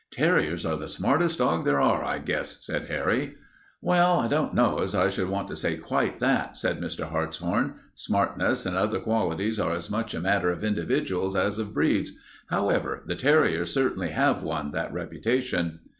"Terriers are the smartest dogs there are, I guess," said Harry. "Well, I don't know as I should want to say quite that," said Mr. Hartshorn. "Smartness and other qualities are as much a matter of individuals as of breeds. However, the terriers certainly have won that reputation."